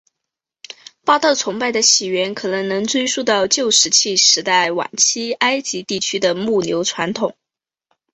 巴特崇拜的起源可能能追溯到旧石器时代晚期埃及地区的牧牛传统。